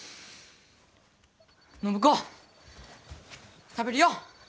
暢子食べるよ！